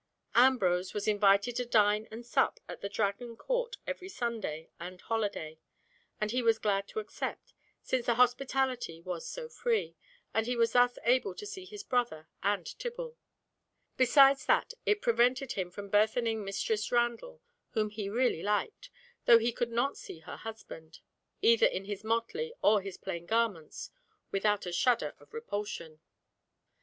Ambrose was invited to dine and sup at the Dragon court every Sunday and holiday, and he was glad to accept, since the hospitality was so free, and he thus was able to see his brother and Tibble; besides that, it prevented him from burthening Mistress Randall, whom he really liked, though he could not see her husband, either in his motley or his plain garments, without a shudder of repulsion.